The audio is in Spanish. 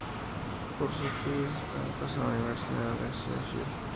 Cursó Estudios Hispánicos en Universidad de Sheffield.